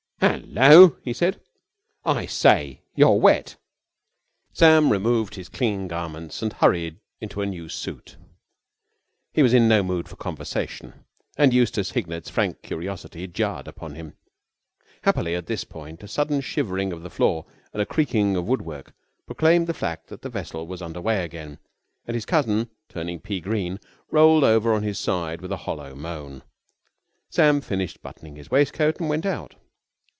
"Hullo!" he said. "I say! You're wet." Sam removed his clinging garments and hurried into a new suit. He was in no mood for conversation, and Eustace Hignett's frank curiosity jarred upon him. Happily, at this point, a sudden shivering of the floor and a creaking of woodwork proclaimed the fact that the vessel was under way again, and his cousin, turning pea green, rolled over on his side with a hollow moan. Sam finished buttoning his waistcoat and went out.